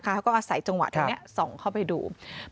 เขาก็อาศัยจังหวะตรงนี้ส่องเข้าไปดู